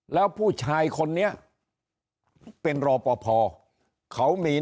แล้วผู้ชายคนนี้เป็นโรปพอร์